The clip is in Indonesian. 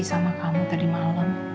sama kamu tadi malam